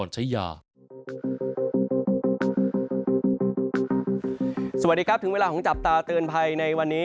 สวัสดีครับถึงเวลาของจับตาเตือนภัยในวันนี้